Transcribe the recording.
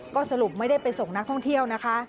ก็สรุปไม่ได้ไปส่งนักท่องเที่ยวนะคะ